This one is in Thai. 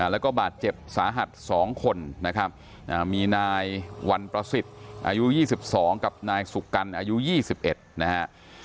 แล้วก็บาดเจ็บสาหัสสองคนนะครับมีนายวรรณประสิทธิ์อายุยี่สิบสองกับนายสุกรรณอายุยี่สิบเอ็ดนะฮะ